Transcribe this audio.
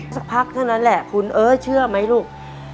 สักพักเท่านั้นแหละคุณเอ๊เชื่อไหมลูก